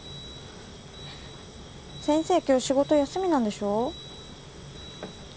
先生今日仕事休みなんでしょ？